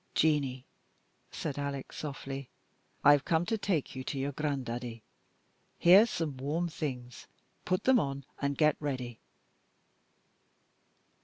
"Jeanie," said Alec, softly, "I've come to take you to your gran'daddie. Here's some warm things; put them on, and get ready."